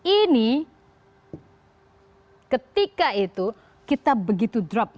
ini ketika itu kita begitu drop